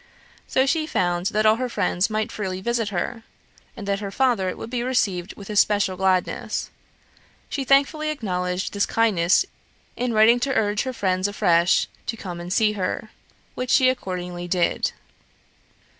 So she found that all her friends might freely visit her, and that her father would be received with especial gladness. She thankfully acknowledged this kindness in writing to urge her friend afresh to come and see her; which she accordingly did.